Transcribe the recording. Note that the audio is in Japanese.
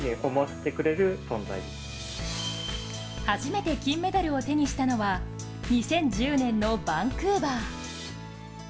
初めて金メダルを手にしたのは２０１０年のバンクーバー。